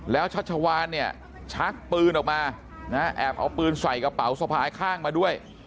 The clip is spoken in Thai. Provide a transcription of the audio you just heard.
แล้วชัชวานเนี่ยชักปืนออกมานะแอบเอาปืนใส่กระเป๋าสะพายข้างมาด้วย